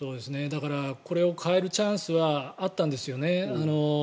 これを変えるチャンスはあったんですよね。